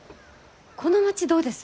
この町どうです？